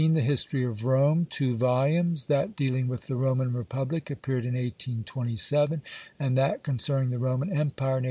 "The History of Rome." Two volumes. That deal ing with the Roman Republic appeared in 1827, and that concerning the Roman Empire in 1828.